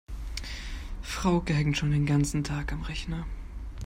Frauke hängt schon den ganzen Tag am Rechner.